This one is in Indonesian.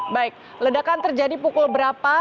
baik ledakan terjadi pukul berapa